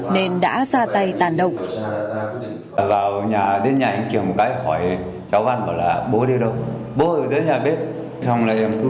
nên đã ra tay tàn động